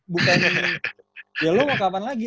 bukan ya lo mau kapan lagi